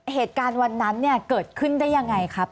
เหตุการณ์วันนั้นเนี่ยเกิดขึ้นได้ยังไงครับ